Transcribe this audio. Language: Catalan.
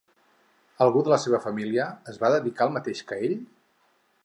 Algú de la seva família es va dedicar al mateix que ell?